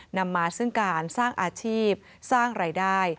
นำมาซึ่งการสร้างอาชีพสร้างรายได้